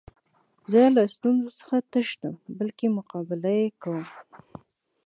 زه له ستونزو څخه تښتم؛ بلکي مقابله ئې کوم.